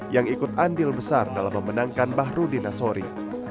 yang ikut andil besar dalam memenangkan bahru dinasori